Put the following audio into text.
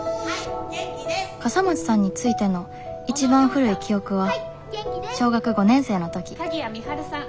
笠松さんについての一番古い記憶は小学５年生の時鍵谷美晴さん。